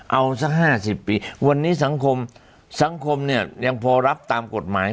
เอาสัก๕๐ปีวันนี้สังคมสังคมเนี่ยยังพอรับตามกฎหมาย